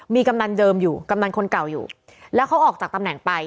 มีกำนันเดิมอยู่กำนันคนเก่าอยู่แล้วเขาออกจากตำแหน่งไป